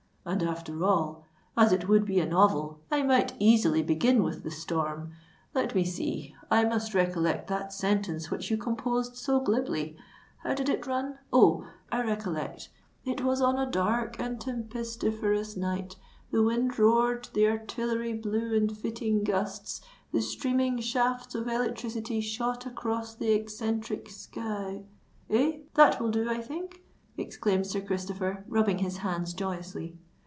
"And, after all, as it would be a novel, I might easily begin with the storm. Let me see—I must recollect that sentence which you composed so glibly. How did it run? Oh! I recollect:—'_It was on a dark and tempestiferous night—the wind roared—the artillery blew in fitting gusts—the streaming shafts of electricity shot across the eccentric sky_.' Eh? that will do, I think," exclaimed Sir Christopher, rubbing his hands joyously.